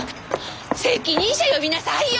責任者呼びなさいよ！